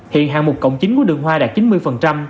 hiện hạng mục cộng chính của đường hoa đạt chín mươi